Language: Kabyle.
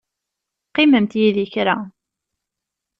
Qqimemt yid-i kra.